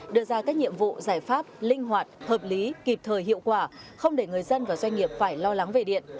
đưa ra các nhiệm vụ giải pháp linh hoạt hợp lý kịp thời hiệu quả không để người dân và doanh nghiệp phải lo lắng về điện